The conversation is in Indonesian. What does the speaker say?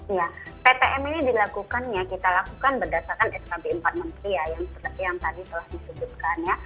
iya ptm ini dilakukannya kita lakukan berdasarkan skb empat menteri ya yang seperti yang tadi telah disebutkan ya